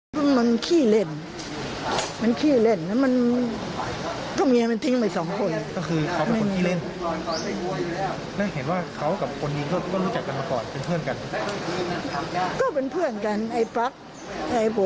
ก็คือเขาเป็นคนที่เล่นแล้วเห็นว่าเขากับคนที่ประมาณก่อนเป็นเพื่อนกับ